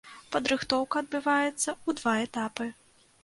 Падрыхтоўка адбываецца ў два этапы.